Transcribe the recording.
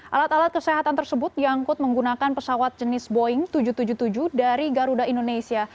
alat alat kesehatan tersebut diangkut menggunakan pesawat jenis boeing tujuh ratus tujuh puluh tujuh dari garuda indonesia